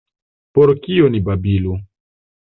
Por kio ni babilu.